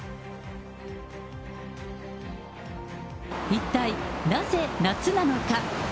一体なぜ夏なのか。